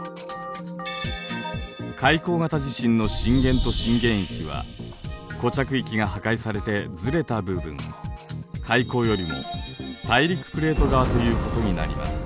海溝型地震の震源と震源域は固着域が破壊されてずれた部分海溝よりも大陸プレート側ということになります。